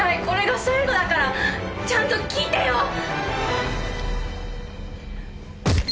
これが最後だからちゃんと聞いてよ！